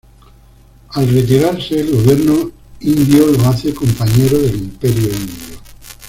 Al retirarse, el Gobierno Indio lo hace ‘Compañero del Imperio Indio’.